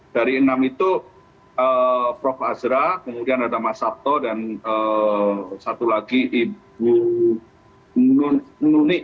dari enam itu prof azra kemudian ada mas sabto dan satu lagi ibu nunik